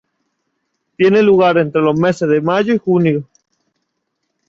Tiene lugar entre los meses de mayo y junio.